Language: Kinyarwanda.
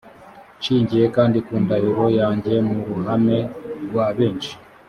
nshingiye kandi ku ndahiro yanjye mu ruhame rwa benshi